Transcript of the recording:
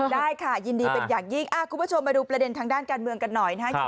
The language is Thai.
ได้ค่ะยินดีเป็นอย่างยิ่งคุณผู้ชมมาดูประเด็นทางด้านการเมืองกันหน่อยนะครับ